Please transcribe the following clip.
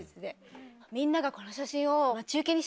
みんながこの写真を。